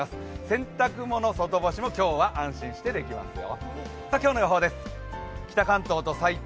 洗濯物外干し、今日は安心してできますよ。